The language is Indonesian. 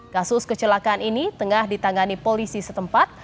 kasus kecelakaan ini tengah ditangani polisi setempat